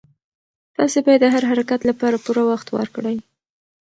تاسي باید د هر حرکت لپاره پوره وخت ورکړئ.